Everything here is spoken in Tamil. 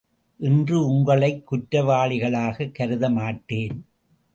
இன்று உங்களைக் குற்றவாளிகளாகக் கருத மாட்டேன்.